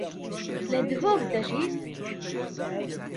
لە دهۆک دەژیت.